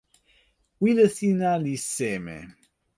wile sina li seme?